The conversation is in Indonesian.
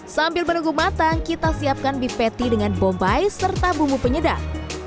sambil menunggu matang kita siapkan beef patty dengan bombay serta bumbu penyedap